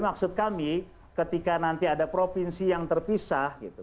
maksud kami ketika nanti ada provinsi yang terpisah gitu